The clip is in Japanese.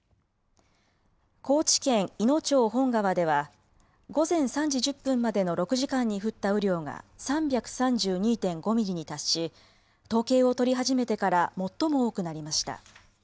高知県いの町本川では午前３時１０分までの６時間に降った雨量が３３２．５ミリに達し、統計を取り始めてから最も多くなりました。